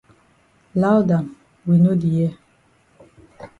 Loud am we no di hear.